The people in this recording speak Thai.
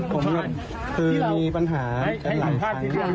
ผมน่ะคือมีปัญหากันหลายครั้ง